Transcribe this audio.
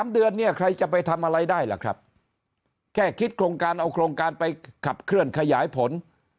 ๓เดือนเนี่ยใครจะไปทำอะไรได้ล่ะครับแค่คิดโครงการเอาโครงการไปขับเคลื่อนขยายผล